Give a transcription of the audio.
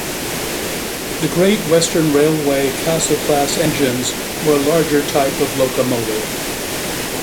The Great Western Railway Castle Class engines were a larger type of locomotive.